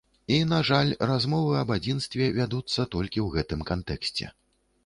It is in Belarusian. І, на жаль, размовы аб адзінстве вядуцца толькі ў гэтым кантэксце.